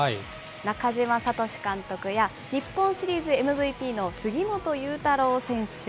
中嶋聡監督や、日本シリーズＭＶＰの杉本裕太郎選手。